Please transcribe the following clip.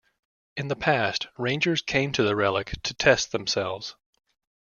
In the past, Rangers came to the Relic to test themselves.